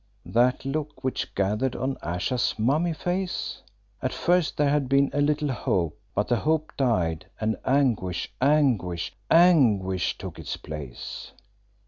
That look which gathered on Ayesha's mummy face? At first there had been a little hope, but the hope died, and anguish, anguish, anguish took its place.